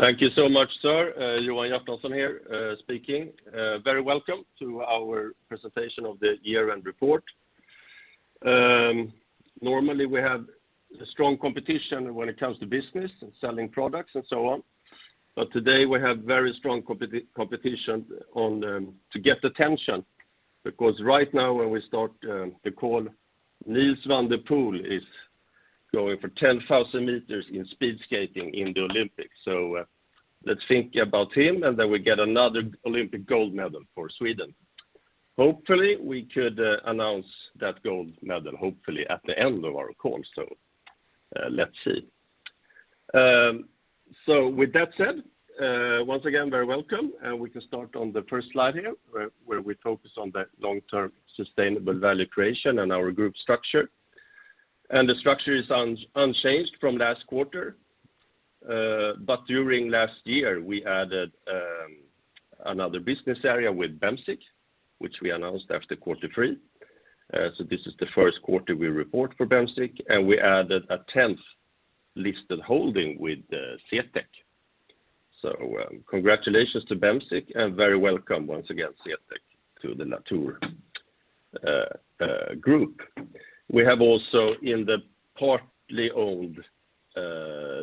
Thank you so much, Sir. Johan Hjertonsson here, speaking. Very welcome to our presentation of the year-end report. Normally, we have a strong competition when it comes to business and selling products and so on. Today, we have very strong competition on to get attention because right now, when we start the call, Nils van der Poel is going for 10,000 meters in speed skating in the Olympics. Let's think about him, and then we get another Olympic gold medal for Sweden. Hopefully, we could announce that gold medal, hopefully, at the end of our call. Let's see. With that said, once again, very welcome. We can start on the first slide here where we focus on the long-term sustainable value creation and our group structure. The structure is unchanged from last quarter. During last year, we added another business area with Bemsiq, which we announced after quarter three. This is the first quarter we report for Bemsiq, and we added a tenth listed holding with CTEK. Congratulations to Bemsiq, and very welcome once again, CTEK, to the Latour group. We have also in the partly owned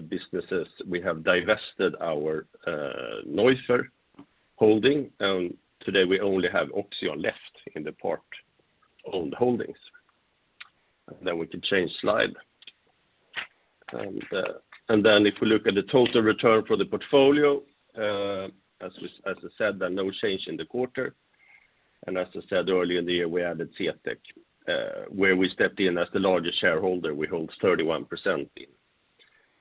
businesses, we have divested our Neuffer holding, and today we only have Oxeon left in the part-owned holdings. We can change slide. If we look at the total return for the portfolio, as I said, there are no change in the quarter. As I said earlier in the year, we added CTEK, where we stepped in as the largest shareholder. We hold 31%.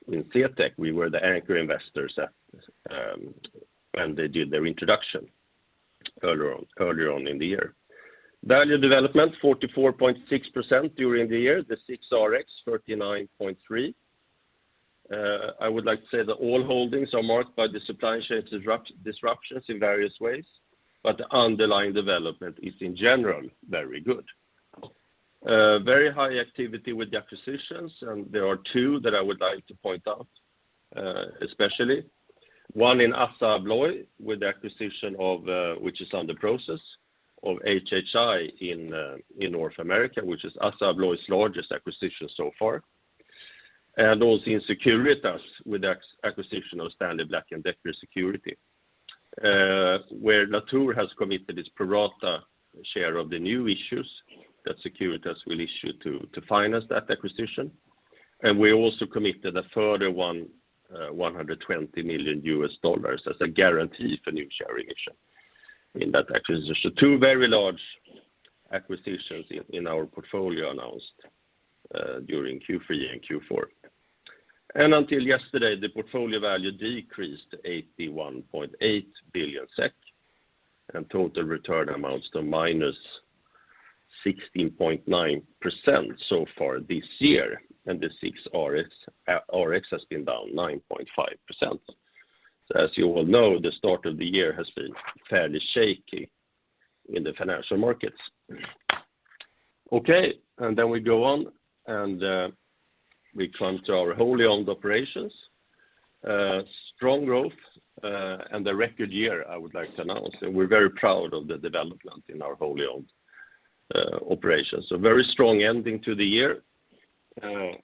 In CTEK, we were the anchor investors at when they did their introduction earlier on in the year. Value development, 44.6% during the year. The SIXRX, 39.3%. I would like to say that all holdings are marked by the supply chain disruptions in various ways, but the underlying development is in general very good. Very high activity with the acquisitions, and there are two that I would like to point out, especially. One in Assa Abloy with the acquisition of HHI in North America, which is Assa Abloy's largest acquisition so far. Also in Securitas with the acquisition of Stanley Black & Decker Security, where Latour has committed its pro rata share of the new issues that Securitas will issue to finance that acquisition. We also committed a further $120 million as a guarantee for new share issue in that acquisition. Two very large acquisitions in our portfolio announced during Q3 and Q4. Until yesterday, the portfolio value decreased to 81.8 billion SEK, and total return amounts to -16.9% so far this year. The SIXRX RX has been down 9.5%. As you all know, the start of the year has been fairly shaky in the financial markets. We come to our wholly owned operations. Strong growth and a record year, I would like to announce. We're very proud of the development in our wholly owned operations. A very strong ending to the year.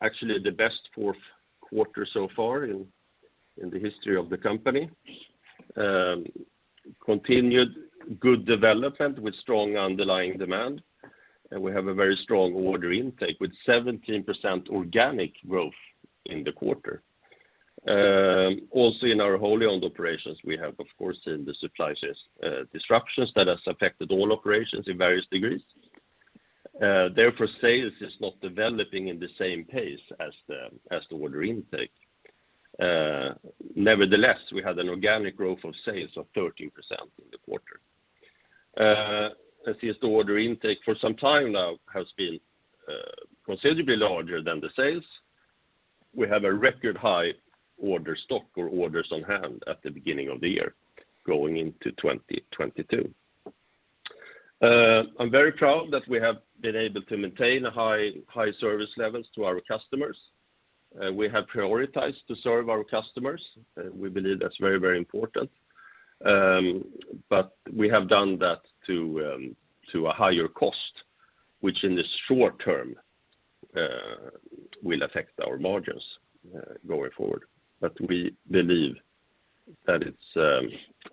Actually the best fourth quarter so far in the history of the company. Continued good development with strong underlying demand. We have a very strong order intake with 17% organic growth in the quarter. Also in our wholly owned operations, we have, of course, supply disruptions that has affected all operations in various degrees. Therefore, sales is not developing in the same pace as the order intake. Nevertheless, we had an organic growth of sales of 13% in the quarter. Since the order intake for some time now has been considerably larger than the sales, we have a record high order stock or orders on hand at the beginning of the year going into 2022. I'm very proud that we have been able to maintain a high service levels to our customers. We have prioritized to serve our customers. We believe that's very important. We have done that to a higher cost, which in the short term will affect our margins going forward. We believe that it's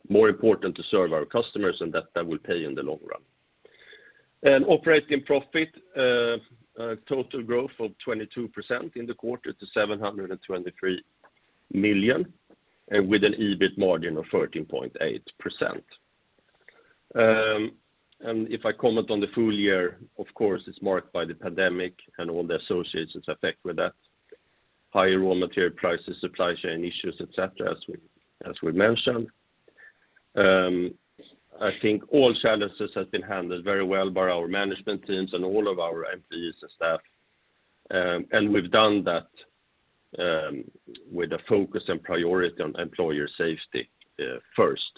more important to serve our customers and that will pay in the long run. An operating profit, a total growth of 22% in the quarter to 723 million, and with an EBIT margin of 13.8%. If I comment on the full year, of course, it's marked by the pandemic and all the associated effects with that, higher raw material prices, supply chain issues, et cetera, as we mentioned. I think all challenges have been handled very well by our management teams and all of our employees and staff. We've done that with a focus and priority on employee safety first.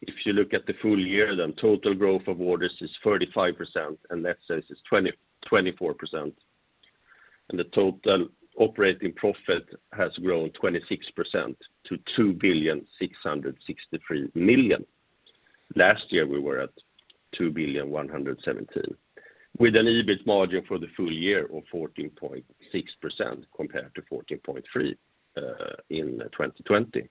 If you look at the full year, then total growth of orders is 35% and net sales is 24%. The total operating profit has grown 26% to 2,663 million. Last year, we were at 2,117 million, with an EBIT margin for the full year of 14.6% compared to 14.3% in 2020.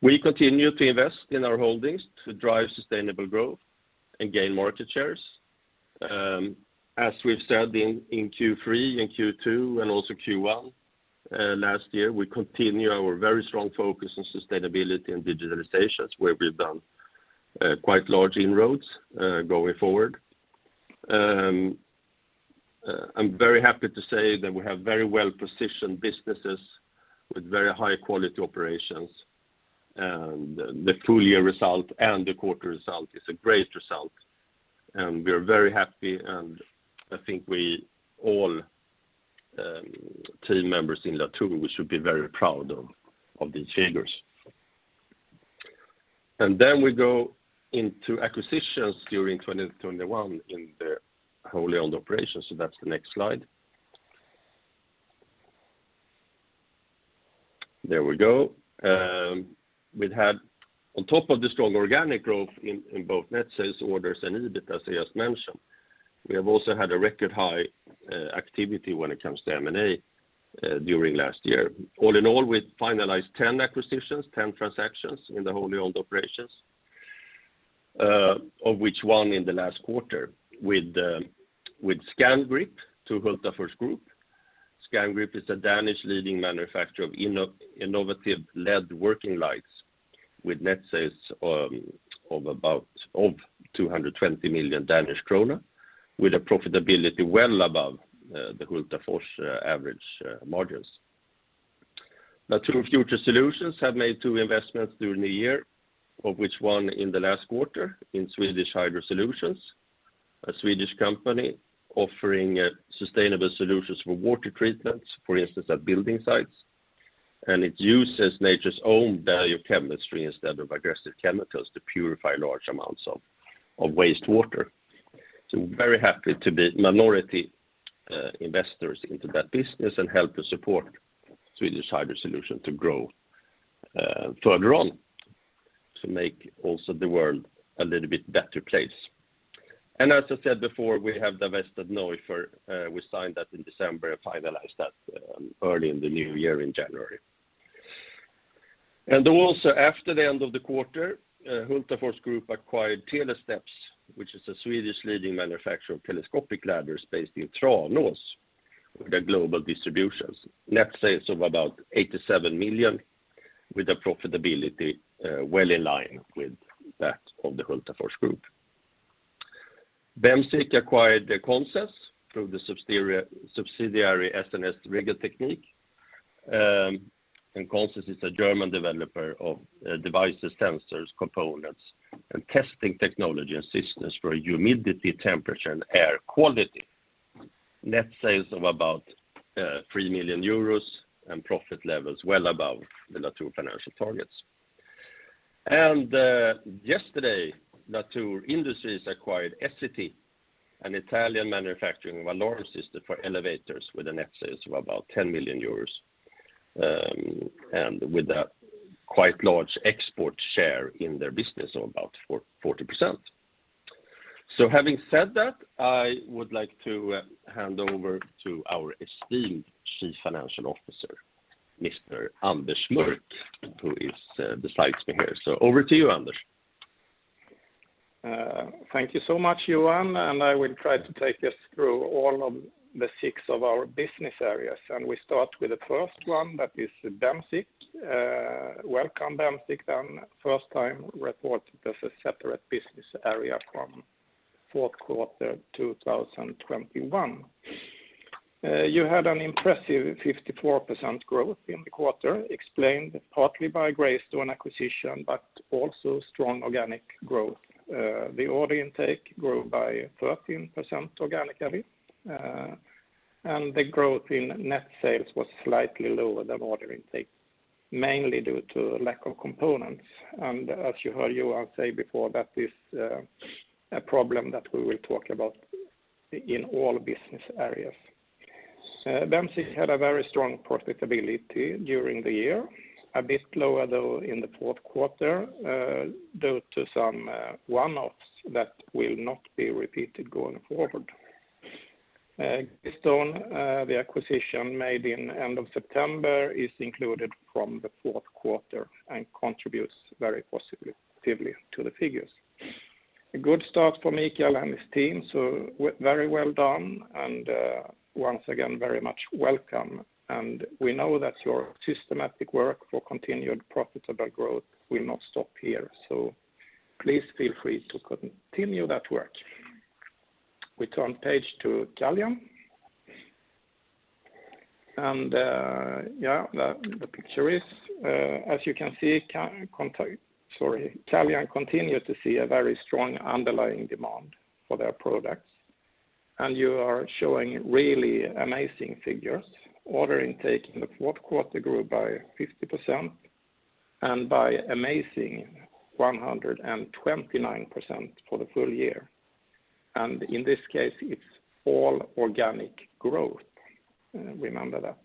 We continue to invest in our holdings to drive sustainable growth and gain market shares. As we've said in Q3 and Q2 and also Q1 last year, we continue our very strong focus on sustainability and digitalizations, where we've done quite large inroads going forward. I'm very happy to say that we have very well-positioned businesses with very high quality operations. The full year result and the quarter result is a great result, and we are very happy. I think we all team members in Latour we should be very proud of these figures. We go into acquisitions during 2021 in the wholly owned operations. That's the next slide. There we go. We've had on top of the strong organic growth in both net sales orders and EBIT, as I just mentioned, we have also had a record high activity when it comes to M&A during last year. All in all, we finalized 10 acquisitions, 10 transactions in the wholly owned operations, of which one in the last quarter with Scangrip to Hultafors Group. Scangrip is a Danish leading manufacturer of innovative LED working lights with net sales of about 220 million Danish krone, with a profitability well above the Hultafors average margins. Latour Future Solutions have made two investments during the year, of which one in the last quarter in Swedish Hydro Solutions, a Swedish company offering sustainable solutions for water treatment, for instance, at building sites. It uses nature's own value chemistry instead of aggressive chemicals to purify large amounts of wastewater. Very happy to be minority investors into that business and help to support Swedish Hydro Solutions to grow further on, to make also the world a little bit better place. As I said before, we have divested Neuffer. We signed that in December and finalized that early in the new year in January. Also after the end of the quarter, Hultafors Group acquired Telesteps, which is a Swedish leading manufacturer of telescopic ladders based in Tranås with a global distributions. Net sales of about 87 million, with a profitability well in line with that of the Hultafors Group. Bemsiq acquired the Consens through the subsidiary S+S Regeltechnik. Consens is a German developer of devices, sensors, components, and testing technology and systems for humidity, temperature, and air quality. Net sales of about 3 million euros and profit levels well above the Latour financial targets. Yesterday, Latour Industries acquired Esse-Ti, an Italian manufacturer of valve systems for elevators with net sales of about 10 million euros and with a quite large export share in their business of about 40%. Having said that, I would like to hand over to our esteemed Chief Financial Officer, Mr. Anders Mörck, who is besides me here. Over to you, Anders. Thank you so much, Johan, and I will try to take us through all of the six of our business areas. We start with the first one, that is Bemsiq. Welcome Bemsiq, then first time reported as a separate business area from fourth quarter 2021. You had an impressive 54% growth in the quarter, explained partly by Greystone acquisition, but also strong organic growth. The order intake grew by 13% organically, and the growth in net sales was slightly lower than order intake, mainly due to lack of components. As you heard Johan say before, that is a problem that we will talk about in all business areas. Bemsiq had a very strong profitability during the year, a bit lower though in the fourth quarter, due to some one-offs that will not be repeated going forward. Greystone, the acquisition made in end of September is included from the fourth quarter and contributes very positively to the figures. A good start from Mikael and his team, very well done and, once again, very much welcome. We know that your systematic work for continued profitable growth will not stop here, so please feel free to continue that work. We turn page to Caljan. The picture is, as you can see, Caljan continue to see a very strong underlying demand for their products. You are showing really amazing figures. Order intake in the fourth quarter grew by 50% and by amazing 129% for the full year. In this case, it's all organic growth. Remember that.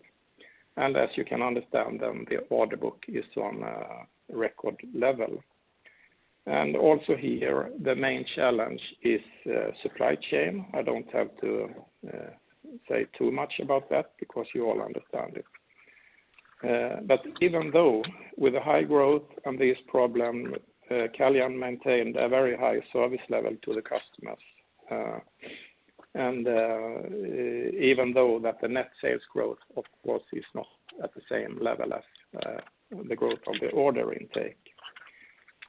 As you can understand, then the order book is on a record level. Also here, the main challenge is supply chain. I don't have to say too much about that because you all understand it. Even though with a high growth and this problem, Caljan maintained a very high service level to the customers. Even though that the net sales growth, of course, is not at the same level as the growth of the order intake.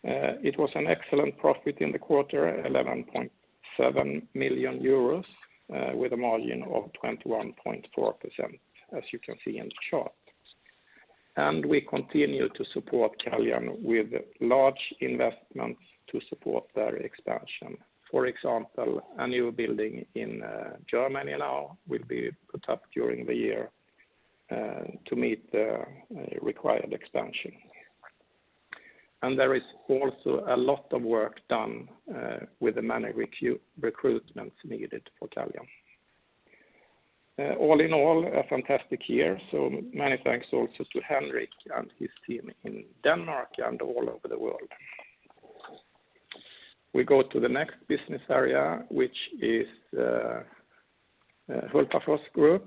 It was an excellent profit in the quarter, 11.7 million euros, with a margin of 21.4%, as you can see in the chart. We continue to support Caljan with large investments to support their expansion. For example, a new building in Germany now will be put up during the year to meet the required expansion. There is also a lot of work done with the many recruitments needed for Caljan. All in all, a fantastic year. Many thanks also to Henrik and his team in Denmark and all over the world. We go to the next business area, which is Hultafors Group.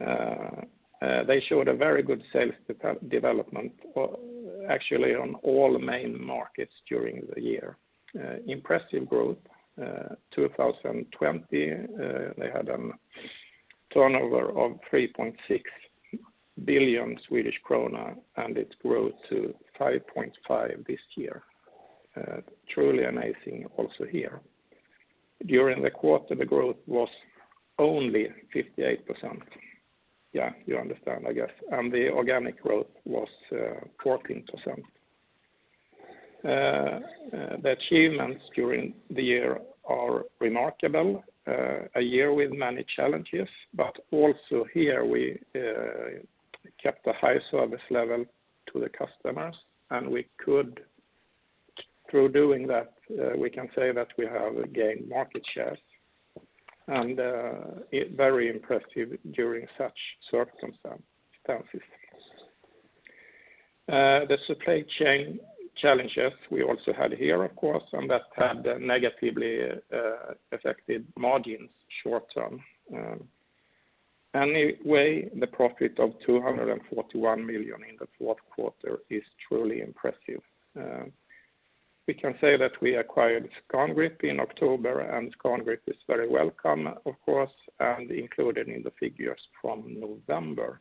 They showed a very good sales development actually on all main markets during the year. Impressive growth. 2020 they had a turnover of 3.6 billion Swedish krona, and it grew to 5.5 billion this year. Truly amazing also here. During the quarter, the growth was only 58%. Yeah, you understand, I guess. The organic growth was 14%. The achievements during the year are remarkable, a year with many challenges, but also here we kept a high service level to the customers, and through doing that, we can say that we have gained market shares, and very impressive during such circumstances. The supply chain challenges we also had here, of course, and that had negatively affected margins short term. Anyway, the profit of 241 million in the fourth quarter is truly impressive. We can say that we acquired Scangrip in October, and Scangrip is very welcome, of course, and included in the figures from November.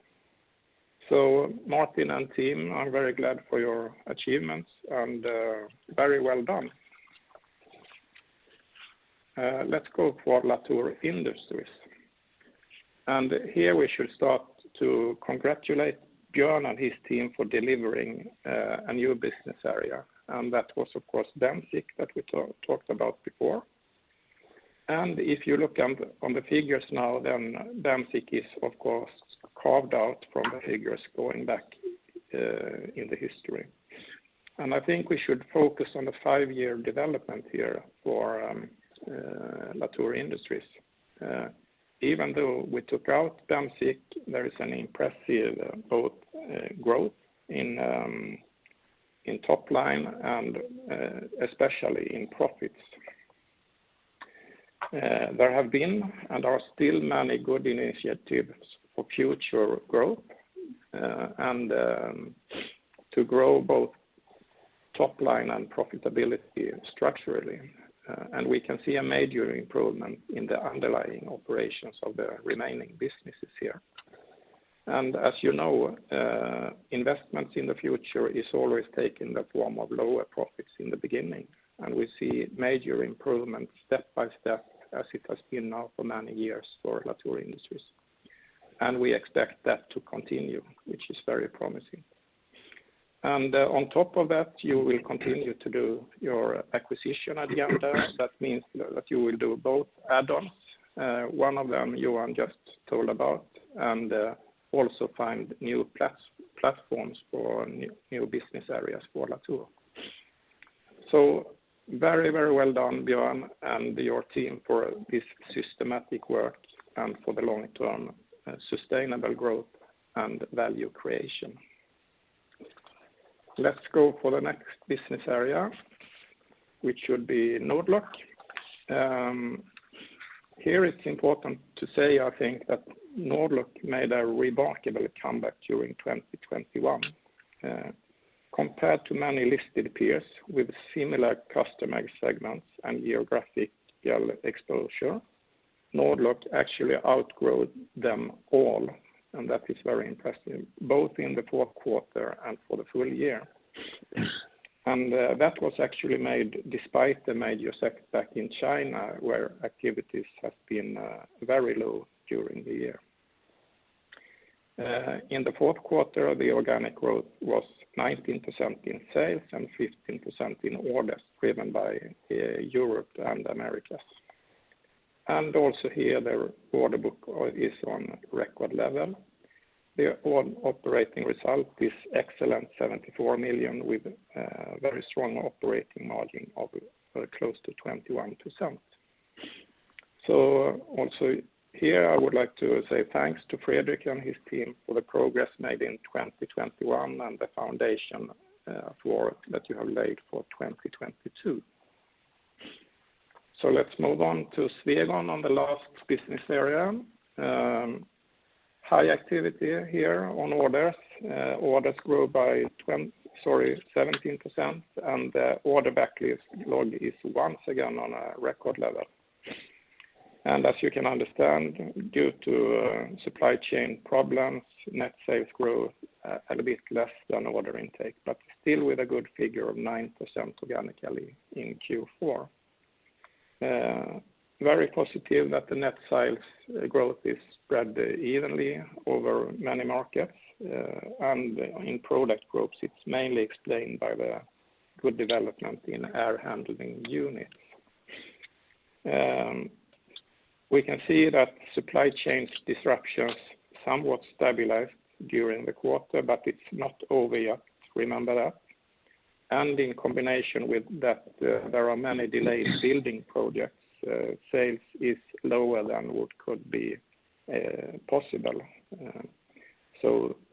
Martin and team, I'm very glad for your achievements, and very well done. Let's go for Latour Industries. Here we should start to congratulate Björn and his team for delivering a new business area. That was, of course, Bemsiq that we talked about before. If you look on the figures now, then Bemsiq is, of course, carved out from the figures going back in the history. I think we should focus on the five-year development here for Latour Industries. Even though we took out Bemsiq, there is an impressive both growth in top line and especially in profits. There have been and are still many good initiatives for future growth and to grow both top line and profitability structurally. We can see a major improvement in the underlying operations of the remaining businesses here. As you know, investments in the future is always taken the form of lower profits in the beginning, and we see major improvements step by step as it has been now for many years for Latour Industries. We expect that to continue, which is very promising. On top of that, you will continue to do your acquisition agendas. That means that you will do both add-ons, one of them Johan just told about, and also find new platforms for new business areas for Latour. Very well done, Björn, and your team for this systematic work and for the long-term sustainable growth and value creation. Let's go for the next business area, which would be Nord-Lock. Here it's important to say, I think that Nord-Lock made a remarkable comeback during 2021. Compared to many listed peers with similar customer segments and geographical exposure, Nord-Lock actually outgrew them all. That is very impressive, both in the fourth quarter and for the full year. That was actually made despite the major setback in China, where activities have been very low during the year. In the fourth quarter, the organic growth was 19% in sales and 15% in orders driven by Europe and Americas. Also here their order book is on record level. The operating result is excellent, 74 million with a very strong operating margin of close to 21%. Also here, I would like to say thanks to Fredrik and his team for the progress made in 2021 and the foundation for that you have laid for 2022. Let's move on to Swegon on the last business area. High activity here on orders. Orders grew by 17%, and the order backlog is once again on a record level. As you can understand, due to supply chain problems, net sales grew a bit less than order intake, but still with a good figure of 9% organically in Q4. Very positive that the net sales growth is spread evenly over many markets, and in product groups, it's mainly explained by the good development in air handling units. We can see that supply chain disruptions somewhat stabilized during the quarter, but it's not over yet. Remember that. In combination with that, there are many delayed building projects, sales is lower than what could be possible.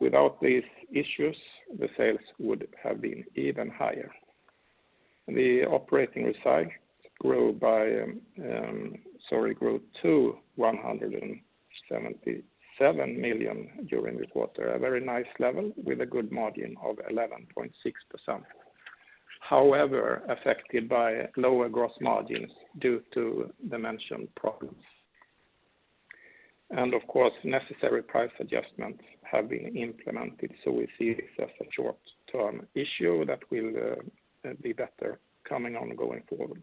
Without these issues, the sales would have been even higher. The operating side grew to 177 million during the quarter, a very nice level with a good margin of 11.6%. However, affected by lower gross margins due to the mentioned problems. Of course, necessary price adjustments have been implemented. We see it as a short term issue that will be better coming on going forward.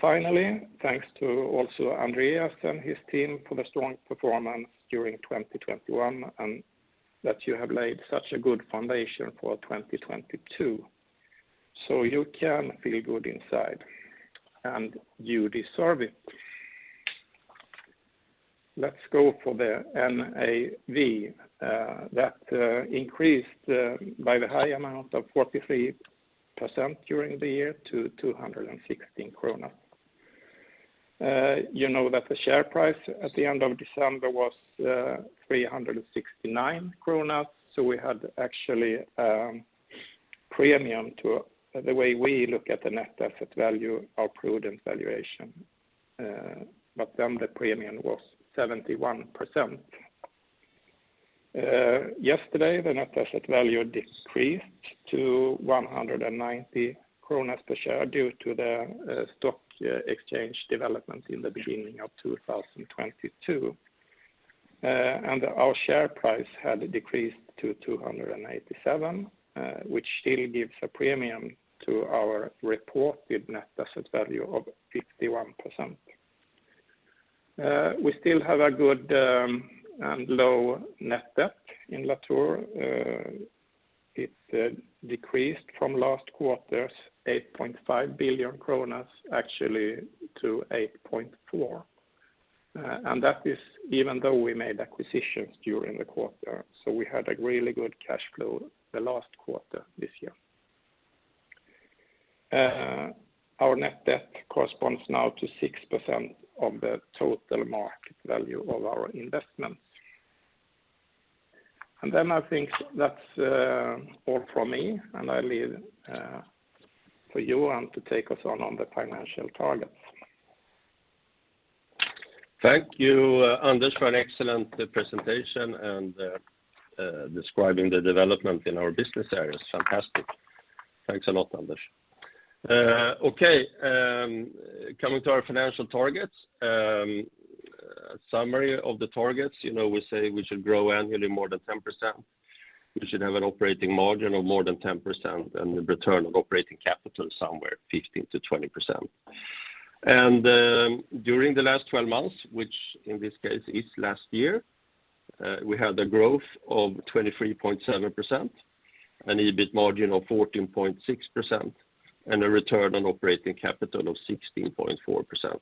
Finally, thanks to also Andreas and his team for the strong performance during 2021, and that you have laid such a good foundation for 2022. You can feel good inside, and you deserve it. Let's go for the NAV that increased by the high amount of 43% during the year to 216 kronor. You know that the share price at the end of December was 369 kronor. We had actually premium to the way we look at the net asset value, our prudent valuation. The premium was 71%. Yesterday, the net asset value decreased to 190 kronor per share due to the stock exchange development in the beginning of 2022. Our share price had decreased to 287, which still gives a premium to our reported net asset value of 51%. We still have a good and low net debt in Latour. It decreased from last quarter's 8.5 billion kronor, actually, to 8.4 billion. That is even though we made acquisitions during the quarter, so we had a really good cash flow the last quarter this year. Our net debt corresponds now to 6% of the total market value of our investments. I think that's all from me, and I leave it for Johan to take us on the financial targets. Thank you, Anders, for an excellent presentation and describing the development in our business areas. Fantastic. Thanks a lot, Anders. Okay, coming to our financial targets, a summary of the targets, you know, we say we should grow annually more than 10%. We should have an operating margin of more than 10% and a return of operating capital somewhere 15%-20%. During the last twelve months, which in this case is last year, we had a growth of 23.7%, an EBIT margin of 14.6%, and a return on operating capital of 16.4%.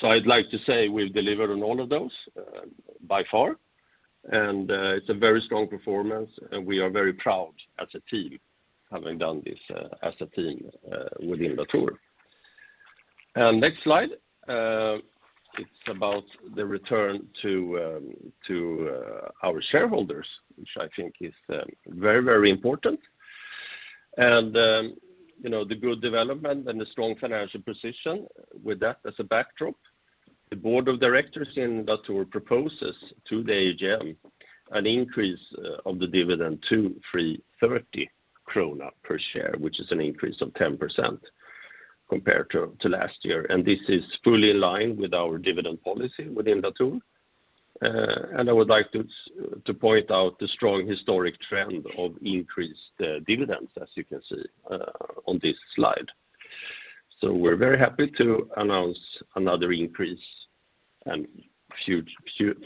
So I'd like to say we've delivered on all of those by far. It's a very strong performance, and we are very proud as a team having done this as a team within Latour. Next slide, it's about the return to our shareholders, which I think is very, very important. You know, the good development and the strong financial position with that as a backdrop, the board of directors in Latour proposes to the AGM an increase of the dividend to 330 krona per share, which is an increase of 10% compared to last year. This is fully in line with our dividend policy within Latour. I would like to point out the strong historic trend of increased dividends, as you can see on this slide. We're very happy to announce another increase and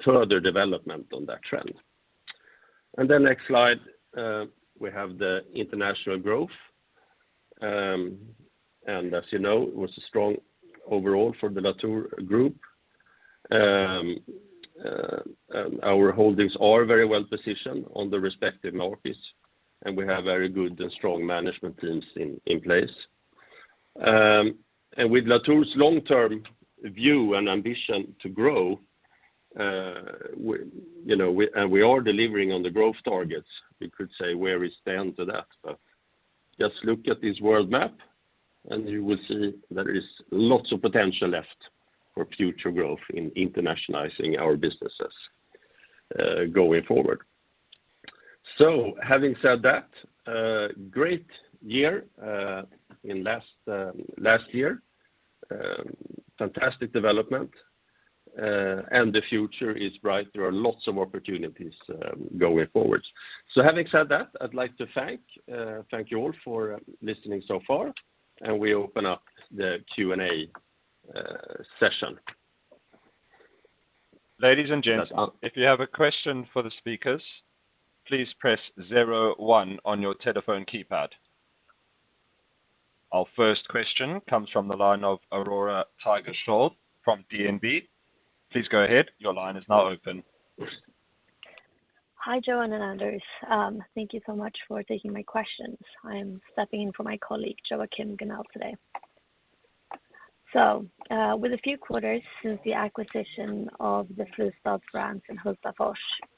further development on that trend. Next slide, we have the international growth. As you know, it was strong overall for the Latour Group. Our holdings are very well-positioned on the respective markets, and we have very good and strong management teams in place. With Latour's long-term view and ambition to grow, we are delivering on the growth targets, we could say where we stand to that. Just look at this world map and you will see there is lots of potential left for future growth in internationalizing our businesses, going forward. Having said that, a great year in last year. Fantastic development, and the future is bright. There are lots of opportunities, going forward. Having said that, I'd like to thank you all for listening so far, and we open up the Q&A session. Ladies and gents. If you have a question for the speakers, please press zero one on your telephone keypad. Our first question comes from the line of Aurore Tigerschiöld from DNB. Please go ahead, your line is now open. Hi, Johan and Anders. Thank you so much for taking my questions. I'm stepping in for my colleague, Joakim Gynal today. With a few quarters since the acquisition of the Fristads brands in Hultafors,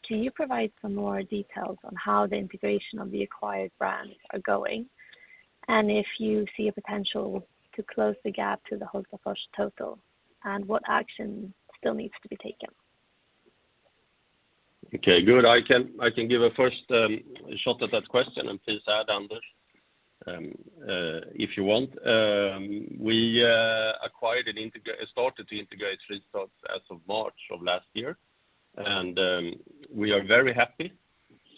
can you provide some more details on how the integration of the acquired brands are going? And if you see a potential to close the gap to the Hultafors total, and what action still needs to be taken? Okay, good. I can give a first shot at that question and please add, Anders, if you want. We started to integrate Fristads as of March of last year. We are very happy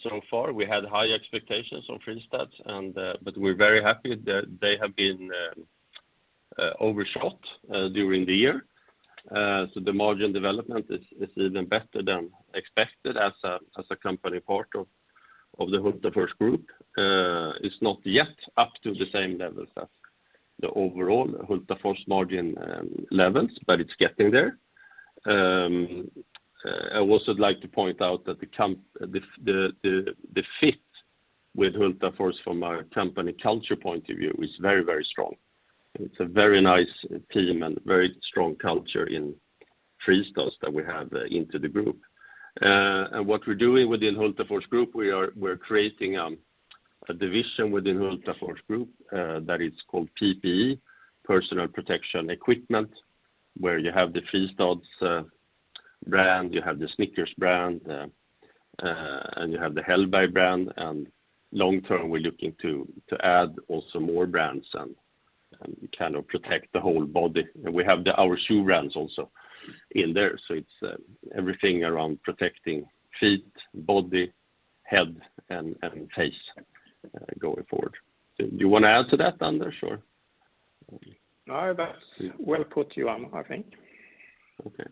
so far. We had high expectations of Fristads, but we're very happy that they have been overshot during the year. The margin development is even better than expected as a company part of the Hultafors Group. It's not yet up to the same levels as the overall Hultafors margin levels, but it's getting there. I also like to point out that the fit with Hultafors from a company culture point of view is very, very strong. It's a very nice team and very strong culture in Fristads that we have into the group. What we're doing within Hultafors Group, we're creating a division within Hultafors Group that is called PPE, Personal Protection Equipment, where you have the Fristads brand, you have the Snickers brand, and you have the Hellberg brand. Long term, we're looking to add also more brands and kind of protect the whole body. We have our shoe brands also in there. It's everything around protecting feet, body, head, and face going forward. Do you wanna add to that, Anders, or? No, that's well put, Johan, I think. Okay.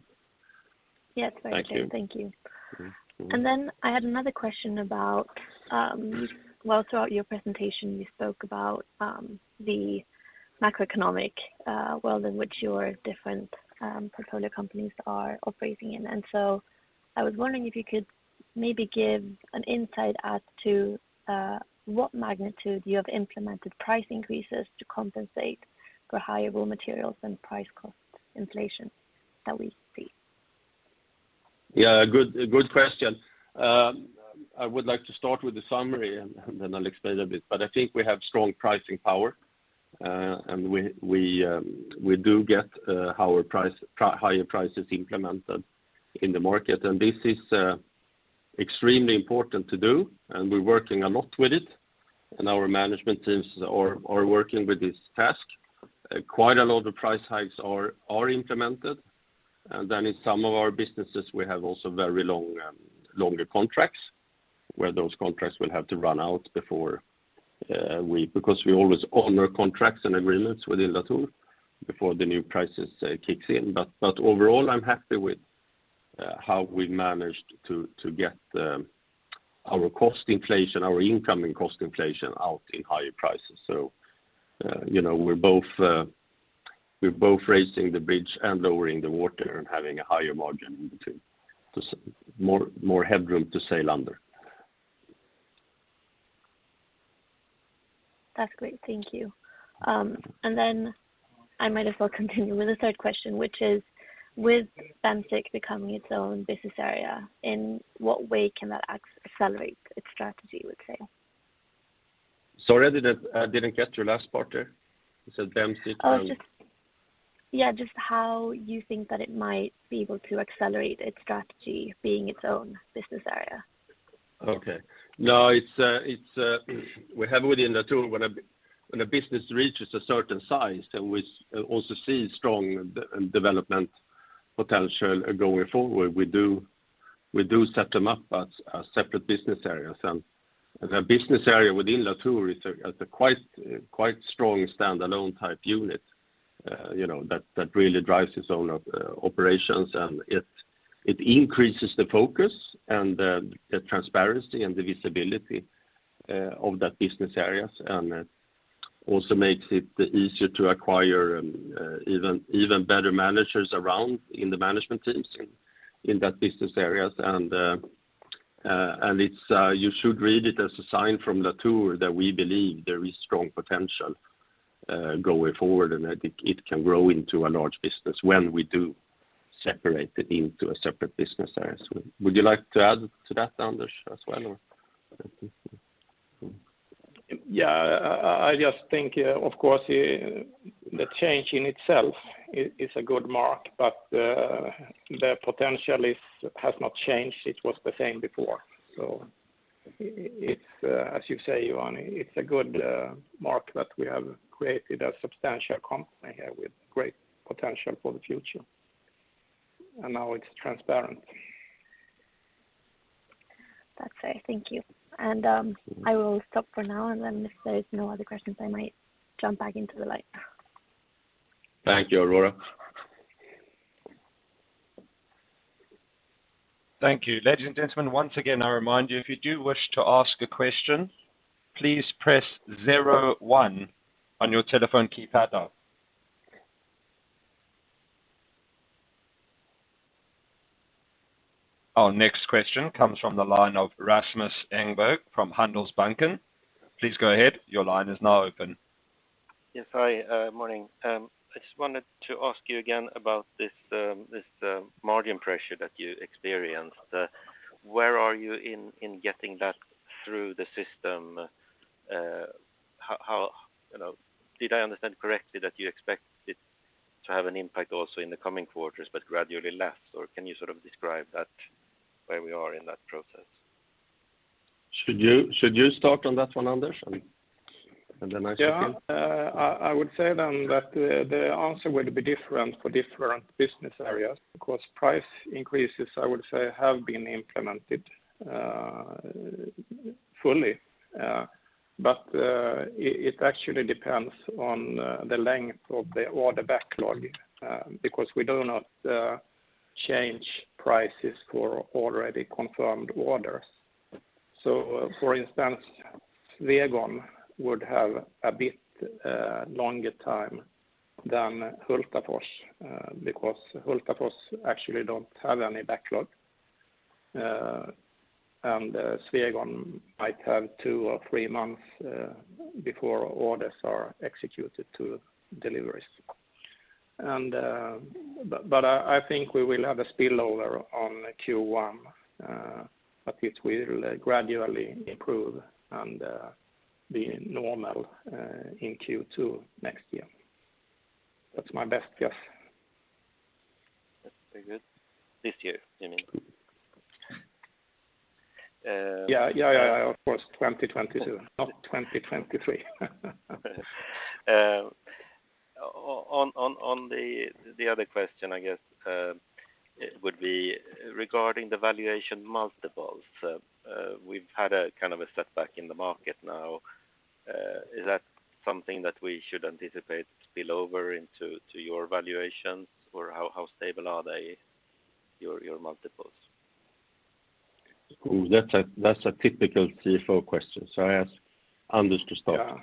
Yeah, it's very clear. Thank you. Thank you. And then I had another question about. Mm-hmm. Well, throughout your presentation, you spoke about the macroeconomic world in which your different portfolio companies are operating in. I was wondering if you could maybe give an insight as to what magnitude you have implemented price increases to compensate for higher raw materials and price cost inflation that we see. Yeah, good question. I would like to start with the summary and then I'll explain a bit. I think we have strong pricing power, and we do get our higher prices implemented in the market. This is extremely important to do, and we're working a lot with it, and our management teams are working with this task. Quite a lot of price hikes are implemented. Then in some of our businesses, we have also longer contracts, where those contracts will have to run out before. Because we always honor contracts and agreements within Latour before the new prices kicks in. Overall, I'm happy with how we managed to get our cost inflation, our incoming cost inflation out in higher prices. So you know, we're both raising the bridge and lowering the water and having a higher margin, more headroom to sail under. That's great, thank you. I might as well continue with the third question, which is, with Bemsiq becoming its own business area, in what way can that accelerate its strategy, you would say? Sorry, I didn't catch your last part there. You said Bemsiq and. Oh, just. Yeah. Just how you think that it might be able to accelerate its strategy being its own business area. We have within Latour, when a business reaches a certain size and we also see strong development potential going forward, we do set them up as a separate business areas, and the business area within Latour is a quite strong standalone type unit, you know, that really drives its own operations, and it increases the focus and the transparency and the visibility of that business areas, and also makes it easier to acquire even better managers around in the management teams in that business areas. You should read it as a sign from Latour that we believe there is strong potential going forward, and I think it can grow into a large business when we do separate it into a separate business area. Would you like to add to that, Anders, as well? Yeah, I just think, of course, the change in itself is a good mark, but the potential has not changed. It was the same before. It's, as you say, Johan, a good mark that we have created a substantial company here with great potential for the future, and now it's transparent. That's it. Thank you. I will stop for now, and then if there's no other questions, I might jump back into the line. Thank you, Aurore. Thank you. Ladies and gentlemen, once again, I remind you, if you do wish to ask a question, please press zero one on your telephone keypad now. Our next question comes from the line of Rasmus Engberg from Handelsbanken. Please go ahead. Your line is now open. Yes. Hi, morning. I just wanted to ask you again about this margin pressure that you experienced. Where are you in getting that through the system? You know, did I understand correctly that you expect it to have an impact also in the coming quarters but gradually less? Or can you sort of describe that, where we are in that process? Should you start on that one, Anders? I step in. Yeah. I would say then that the answer would be different for different business areas because price increases, I would say, have been implemented fully. It actually depends on the length of the order backlog because we do not change prices for already confirmed orders. For instance, Swegon would have a bit longer time than Hultafors because Hultafors actually don't have any backlog and Swegon might have two or three months before orders are executed to deliveries. But I think we will have a spillover on Q1, but it will gradually improve and be normal in Q2 next year. That's my best guess. That's very good. This year, you mean? Yeah. Of course. 2022, not 2023. On the other question, I guess, would be regarding the valuation multiples. We've had a kind of a setback in the market now. Is that something that we should anticipate spill over into your valuations? Or how stable are they, your multiples? That's a typical CFO question, so I ask Anders to start.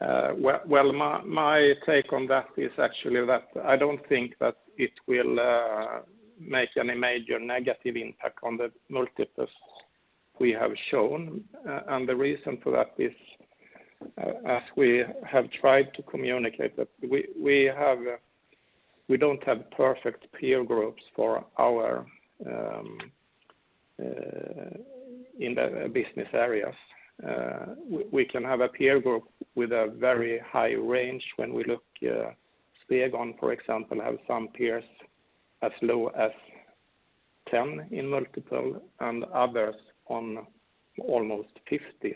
Yeah. Well, my take on that is actually that I don't think that it will make any major negative impact on the multiples we have shown. The reason for that is, as we have tried to communicate, that we don't have perfect peer groups for our business areas. We can have a peer group with a very high range when we look, Swegon, for example, have some peers as low as 10x multiple and others on almost 50x.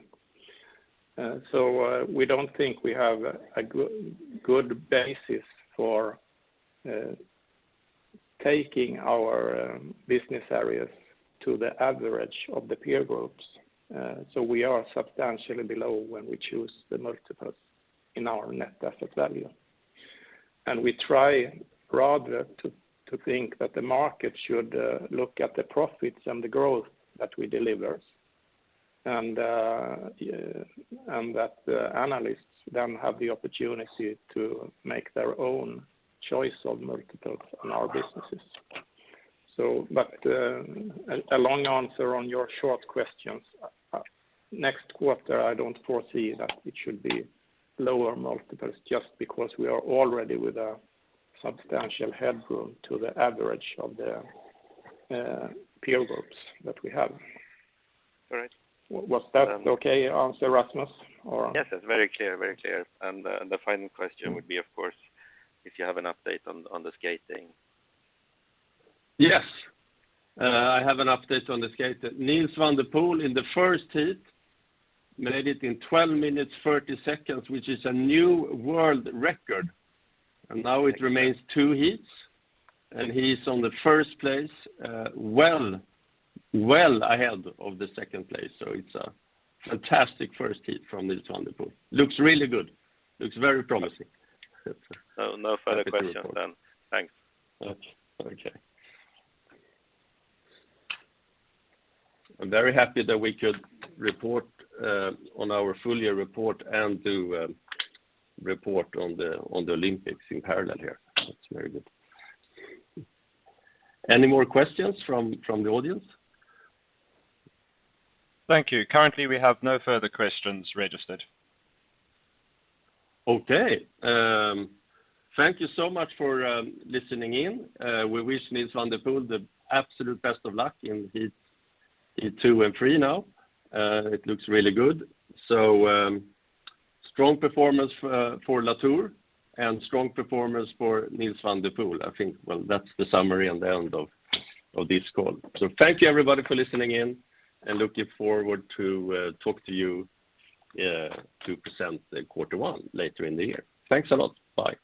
We don't think we have a good basis for taking our business areas to the average of the peer groups. We are substantially below when we choose the multiples in our net asset value. We try rather to think that the market should look at the profits and the growth that we deliver and that the analysts then have the opportunity to make their own choice of multiples on our businesses. But a long answer on your short questions. Next quarter, I don't foresee that it should be lower multiples just because we are already with a substantial headroom to the average of the peer groups that we have. All right. Was that okay answer, Rasmus? Or? Yes, it's very clear. Very clear. The final question would be, of course, if you have an update on the skating. Yes. I have an update on the skate. Nils van der Poel in the first heat made it in 12 minutes 30 seconds, which is a new world record. Now it remains two heats, and he's in first place, well ahead of second place, so it's a fantastic first heat from Nils van der Poel. Looks really good. Looks very promising. No further questions then. Thanks. Okay. I'm very happy that we could report on our full year report and to report on the Olympics in parallel here. That's very good. Any more questions from the audience? Thank you. Currently, we have no further questions registered. Okay. Thank you so much for listening in. We wish Nils van der Poel the absolute best of luck in heat two and three now. It looks really good. Well, strong performance for Latour and strong performance for Nils van der Poel. I think, well, that's the summary and the end of this call. Thank you, everybody, for listening in, and looking forward to talk to you to present quarter one later in the year. Thanks a lot. Bye.